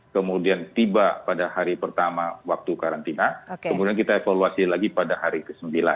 kemudian tiba pada hari pertama waktu karantina kemudian kita evaluasi lagi pada hari ke sembilan